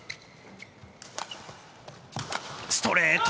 ストレート！